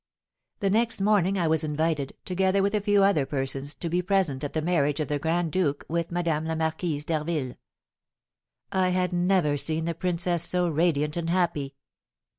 The next morning I was invited, together with a few other persons, to be present at the marriage of the grand duke with Madame la Marquise d'Harville. I had never seen the princess so radiant and happy.